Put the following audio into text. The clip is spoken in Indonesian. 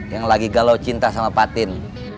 yang lagi galau cinta sama patin